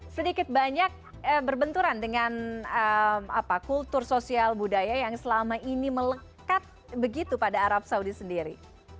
sedikit banyak berbenturan dengan kultur sosial budaya yang selama ini melekat begitu pada arab saudi sendiri